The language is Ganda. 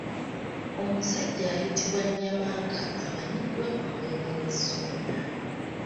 Omusajja ayitibwa Nnyamanka amanyiddwa ku mulembe gwa Ssuuna.